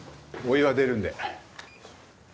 お湯は出るんで。